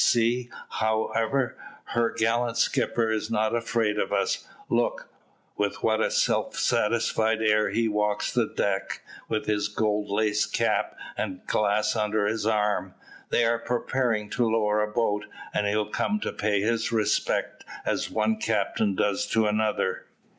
See, however, her gallant skipper is not afraid of us. Look, with what a self satisfied air he walks the deck with his gold lace cap, and glass under his arm. They are preparing to lower a boat, and he'll come to pay his respects as one captain does to another."